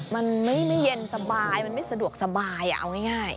มันไม่เย็นสบายมันไม่สะดวกสบายเอาง่าย